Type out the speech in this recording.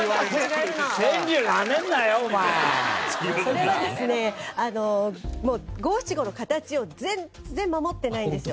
これはですね５・７・５の形を全然守ってないんですよ。